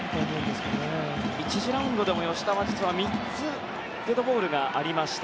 １次ラウンドでも吉田は３つデッドボールがありました。